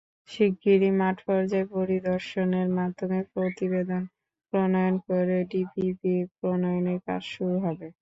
শিগগিরই মাঠপর্যায় পরিদর্শনের মাধ্যমে প্রতিবেদন প্রণয়ন করে ডিপিপি প্রণয়নের কাজ শুরু হবে।